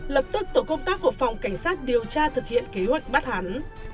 lập tức tổ công tác của phòng cảnh sát điều tra thực hiện kế hoạch bắt hắn